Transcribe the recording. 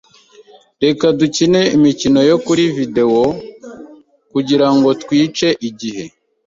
Reka dukine imikino yo kuri videwo kugirango twice igihe.